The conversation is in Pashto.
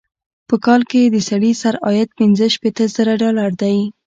په کال کې یې د سړي سر عاید پنځه شپيته زره ډالره دی.